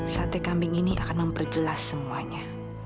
sate kambing ini akan memperjelas semuanya